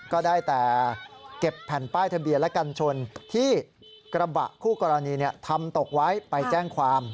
ก็ได้แต่เก็บแผ่นป้ายทะเบียนและกันชนที่กระบะคู่กรณีทำตกไว้ไปแจ้งความ